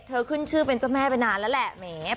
ที่ชื่อเป็นเจ้าแม่ไปนานแล้วแหละ